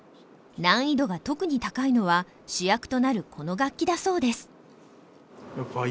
難易度が特に高いのは主役となるこの楽器だそうです。